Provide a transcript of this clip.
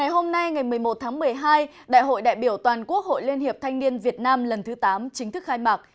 hôm nay ngày một mươi một tháng một mươi hai đại hội đại biểu toàn quốc hội liên hiệp thanh niên việt nam lần thứ tám chính thức khai mạc